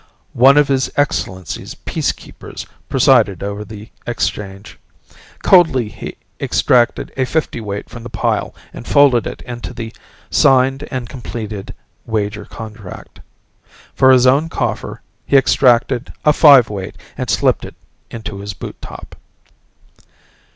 One of His Excellency's Peacekeepers presided over the exchange. Coldly he extracted a fiftyweight from the pile and folded it into the signed and completed wager contract. For his own coffer he extracted a fiveweight and slipped it into his boot top.